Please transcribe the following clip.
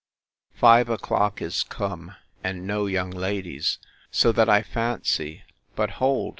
Five o'clock is come, And no young ladies!—So that I fancy—But hold!